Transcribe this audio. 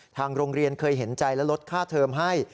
ทางโรงเรียนเคยเห็นใจและลดค่าเทอมให้